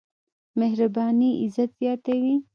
مهرباني عزت زياتوي.